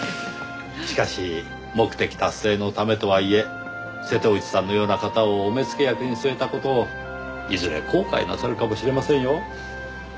しかし目的達成のためとはいえ瀬戸内さんのような方をお目付け役に据えた事をいずれ後悔なさるかもしれませんよ。